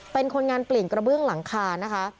เป็นคนงานเปลี่ยนกระเบื้องหลังคานะคะ